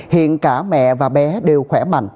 hiện cả mẹ và bé đều khỏe mạnh